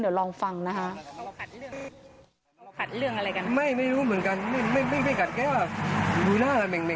เดี๋ยวลองฟังนะฮะเขาขัดเรื่องอะไรกันไม่ไม่รู้เหมือนกัน